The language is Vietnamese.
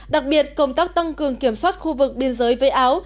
đặc biệt công tác tăng cường kiểm soát khu vực biên giới với áo